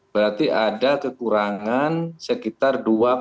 berarti ada kekurangan sekitar